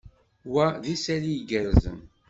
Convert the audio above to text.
Wa d isali igerrzen.